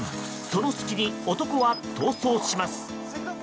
その隙に、男は逃走します。